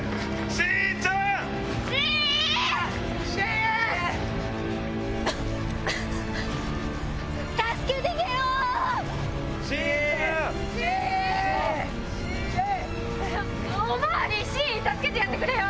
シンイー助けてやってくれよ！